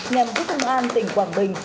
nhằm giúp công an tỉnh quảng bình